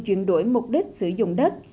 và chuyển đổi mục đích sử dụng đất